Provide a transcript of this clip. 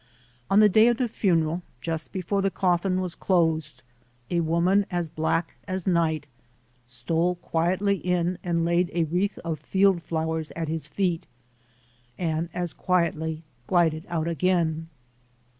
On the day of the funeral, just before the coffin was closed, a woman as black as night stole quietly in and laid a wreath of field flowers at his feet and as quietly glided out again.